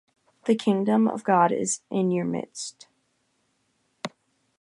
The Kingdom of God is in your midst.